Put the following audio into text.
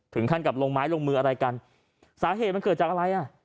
ถึงขั้นกับลงไม้ลงมืออะไรกันสาเหตุมันเกิดจากอะไรอ่ะ